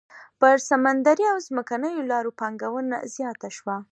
پر سمندري او ځمکنيو لارو پانګونه زیاته شوه.